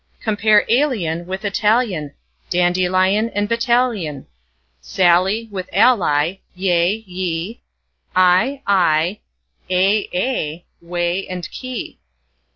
Compare alien with Italian, Dandelion with battalion, Sally with ally; yea, ye, Eye, I, ay, aye, whey, key, quay!